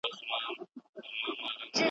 د باز له ځالې باز ولاړېږي `